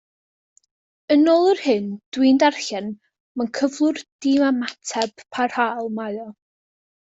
Yn ôl yr hyn dw i'n darllen, mewn cyflwr diymateb parhaol mae o.